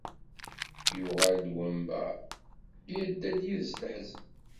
Yuɣal-d wember, yedda-d yid-s leḥzen.